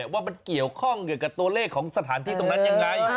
ว่ามันเกี่ยวข้องเกี่ยวกับตัวเลขของสถานที่ตรงนั้นยังไง